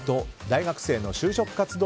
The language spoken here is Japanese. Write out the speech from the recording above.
「大学生の就職活動」